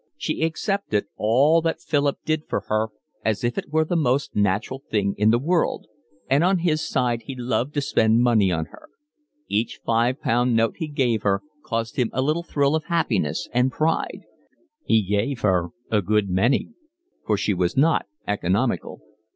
She accepted all that Philip did for her as if it were the most natural thing in the world, and on his side he loved to spend money on her: each five pound note he gave her caused him a little thrill of happiness and pride; he gave her a good many, for she was not economical.